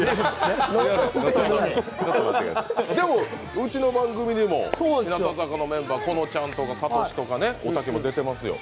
うちの番組にも日向坂のメンバー、このちゃんとか、かとしとかおたけも出てますよ。